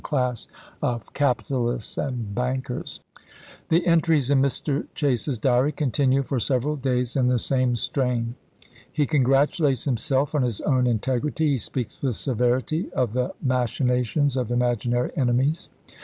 class of capitalists and bankers." WZ ABKAHAM LINCOLN chap. iv. The entries in Mr. Chase's diary continue for sev eral days in the same strain. He congratulates him self on his own integrity ; he speaks with severity of the machinations of imaginary enemies.